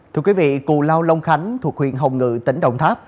thưa quý vị cù lao long khánh thuộc huyện hồng ngự tỉnh đồng tháp